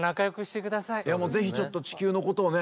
ぜひちょっと地球のことをね